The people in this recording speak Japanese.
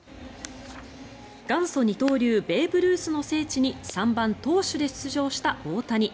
元祖二刀流ベーブ・ルースの聖地に３番投手で出場した大谷。